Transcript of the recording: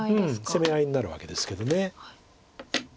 攻め合いになるわけですけど。